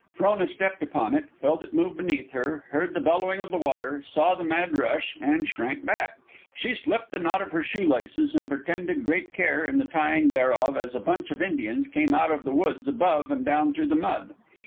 Frona stepped upon it, felt it move beneath her, heard the bellowing of the water, saw the mad rush and shrank back. She slipped the knot of her shoe laces and pretended great care in the tying thereof as a bunch of Indians came out of the woods above and down through the mud.